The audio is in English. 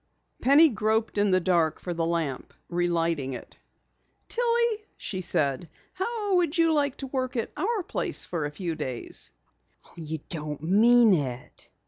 Penny groped in the dark for the lamp, relighting it. "Tillie," she said, "how would you like to work at our place for a few days?" "You don't mean it."